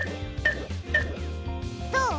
どう？